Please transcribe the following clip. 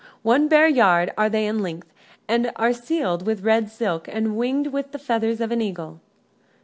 "One bare yard are they in length, and are sealed with red silk, and winged with the feathers of an eagle."